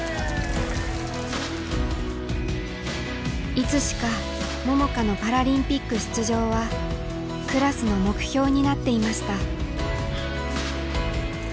いつしか桃佳のパラリンピック出場はクラスの目標になっていました。